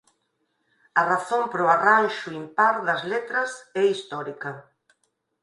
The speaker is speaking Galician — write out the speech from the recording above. A razón para o arranxo impar das letras é histórica.